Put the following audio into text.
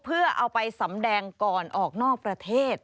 เพื่อเอาไปสำแดงก่อนออกนอกประเทศ